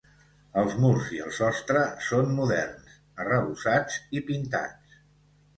Els murs i el sostre són moderns, arrebossats i pintats.